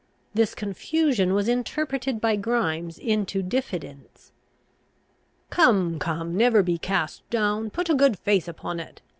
This confusion was interpreted by Grimes into diffidence. "Come, come, never be cast down. Put a good face upon it.